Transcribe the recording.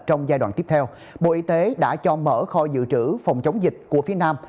trong giai đoạn tiếp theo bộ y tế đã cho mở kho dự trữ phòng chống dịch của phía nam